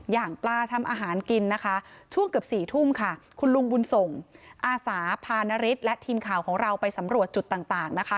อย่างปลาทำอาหารกินนะคะช่วงเกือบ๔ทุ่มค่ะคุณลุงบุญส่งอาสาพานฤทธิ์และทีมข่าวของเราไปสำรวจจุดต่างนะคะ